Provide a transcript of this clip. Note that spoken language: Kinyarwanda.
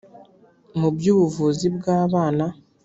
mu by ubuvuzi bw abana